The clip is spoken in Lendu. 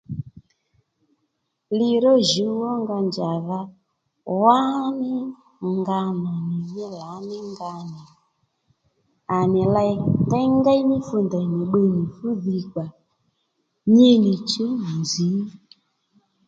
Li ró jǔw ónga njàdha wánì nga nà nì mí lǎní nga nì à nì ley mà déy ngéy ní fu ndèy nì bbiy nì ndèy nì bbiy nì fú dhi kpà nyi nì chǔw nzǐ